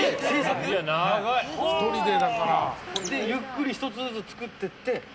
ゆっくり１つずつ作っていって。